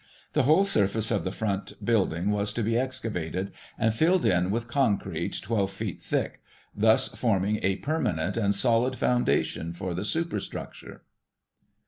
The whole surface of the front building was to be excavated, and filled in with concrete 12 feet thick, thus forming a permanent and solid foundation for the superstructure.